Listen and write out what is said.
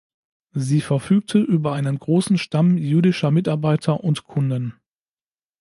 Sie verfügte über einen großen Stamm jüdischer Mitarbeiter und Kunden.